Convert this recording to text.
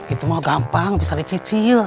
itu mau gampang bisa dicicil